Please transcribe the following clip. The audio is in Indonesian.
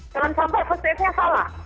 jangan sampai first aidnya salah